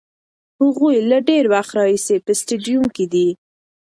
هغوی له ډېر وخته راهیسې په سټډیوم کې دي.